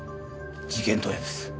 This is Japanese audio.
事件当夜です。